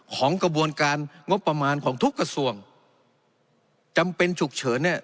ของกระบวนการงบประมาณของทุกกระทรวงจำเป็นฉุกเฉินเนี่ย